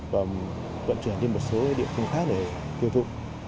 và vận chuyển đi một số địa phương khác để tiêu thụ